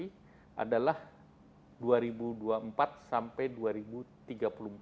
ini adalah dua ribu dua puluh empat sampai dua ribu tiga puluh empat